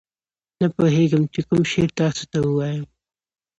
نه پوهېږم چې کوم شعر تاسو ته ووایم.